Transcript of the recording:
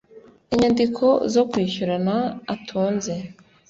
inyandiko zo kwishyurana atunze